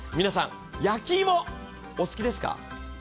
皆さん、焼きいも、お好きですか。